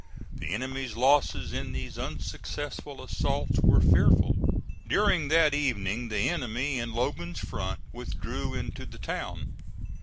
The enemy's losses in these unsuccessful assaults were fearful. During that evening the enemy in Logan's front withdrew into the town.